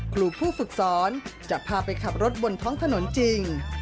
ครูผู้ฝึกสอนจะพาไปขับรถบนท้องถนนจริง